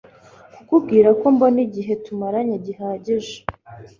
kukubwira ko mbona igihe tumaranye gihagije